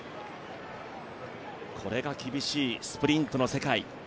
これが厳しいスプリントの世界。